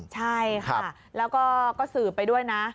ใช่ค่ะแล้วก็สืบไปด้วยนะ